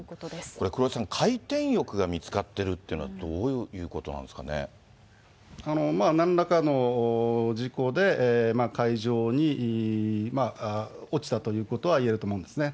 これ黒井さん、回転翼が見つかってるというのは、なんらかの事故で、海上に落ちたということは言えると思うんですね。